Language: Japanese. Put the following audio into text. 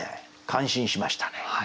感心しましたね。